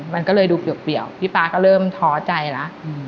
มันก็เลยดูเปรียวพี่ป๊าก็เริ่มท้อใจแล้ว